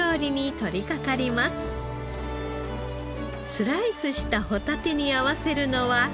スライスしたホタテに合わせるのは。